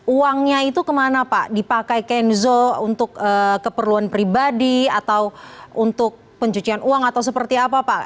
uangnya itu kemana pak dipakai kenzo untuk keperluan pribadi atau untuk pencucian uang atau seperti apa pak